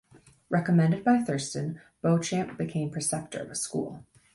Recommended by Thurston, Beauchamp became preceptor of a school.